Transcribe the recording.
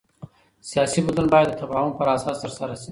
سیاسي بدلون باید د تفاهم پر اساس ترسره شي